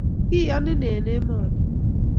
Kiyonin eng' emoni